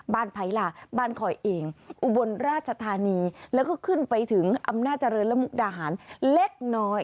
ไพรล่ะบ้านคอยเองอุบลราชธานีแล้วก็ขึ้นไปถึงอำนาจเจริญและมุกดาหารเล็กน้อย